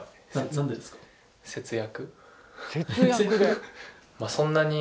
節約？